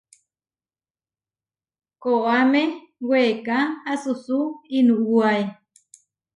Koáme weeká asusú inuwáe.